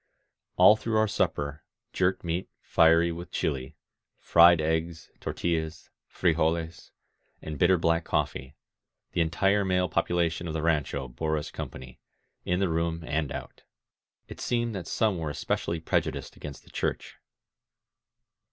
All through our supper — ^jerked meat fiery with chUe, fried eggs, tortUlaSy frijoles, and bitter black coffee, — the entire male population of the rancho bore us company, in the room and out. It seemed that some were especially prejudiced against the Church.